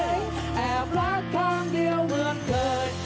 แอบรักทางเดียวเหมือนเคย